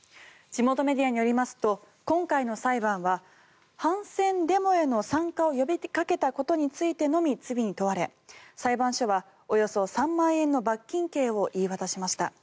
地元メディアによりますと今回の裁判は反戦デモへの参加を呼びかけたことについてのみ罪に問われ裁判所はおよそ３万円の罰金刑を言い渡しました。